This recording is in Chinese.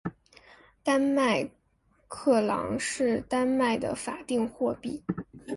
丹麦克朗是丹麦的法定货币。